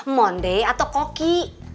monde atau koki